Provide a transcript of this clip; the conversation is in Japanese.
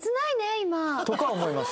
今。とか思います。